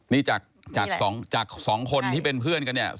นี่จากสองคนที่เป็นเพื่อนกัน